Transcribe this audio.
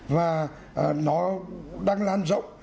và nó đang lan rộng